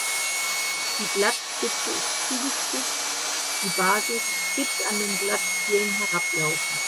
Die Blattspitze ist zugespitzt, die Basis spitz an den Blattstielen herablaufend.